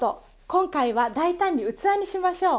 今回は大胆に器にしましょう。